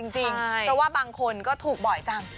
จริงเพราะว่าบางคนก็ถูกบ่อยจัง